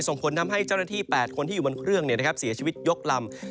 ส่งผลทำให้เจ้าหน้าที่๘คนที่อยู่บนเครื่องเสียชีวิตยกลำ